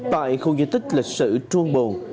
tại khu di tích lịch sử truong bồn